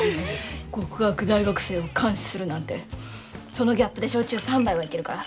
極悪大学生を監視するなんてそのギャップで焼酎３杯はいけるから。